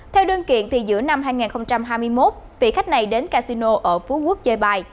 theo đơn kiện thì giữa năm hai nghìn hai mươi một vị khách này đến casino ở phú quốc chơi bài